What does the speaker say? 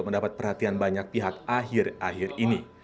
mendapat perhatian banyak pihak akhir akhir ini